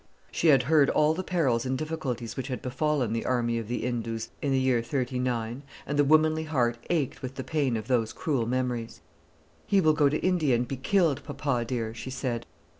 She had heard all the perils and difficulties which had befallen the Army of the Indus in the year '39, and the womanly heart ached with the pain of those cruel memories. "He will go to India and be killed, papa dear," she said.